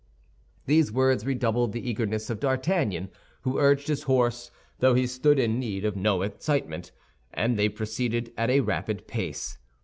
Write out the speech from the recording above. These words redoubled the eagerness of D'Artagnan, who urged his horse, though he stood in need of no incitement, and they proceeded at a rapid pace.